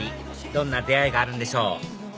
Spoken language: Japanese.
どんな出会いがあるんでしょう？